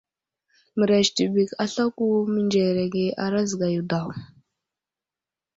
Mərez tibik aslako mənzerege a razga yo daw.